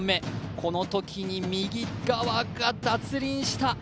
このときに右側が脱輪した。